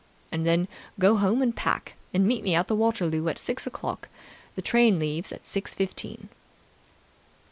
And then go home and pack, and meet me at Waterloo at six o'clock. The train leaves at six fifteen."